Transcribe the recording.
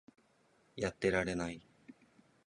やってられない